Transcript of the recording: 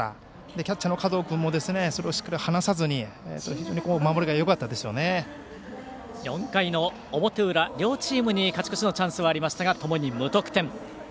キャッチャーの加藤君もしっかり放さずに４回の表裏、両チームに勝ち越しのチャンスがありましたがともに無得点。